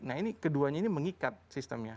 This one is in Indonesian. nah ini keduanya ini mengikat sistemnya